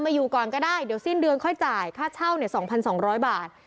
มาอยู่ก่อนก็ได้เดี๋ยวสิ้นเดือนค่อยจ่ายค่าเช่าเนี้ยสองพันสองร้อยบาท